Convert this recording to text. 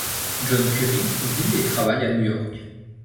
John Currin vit et travaille à New York.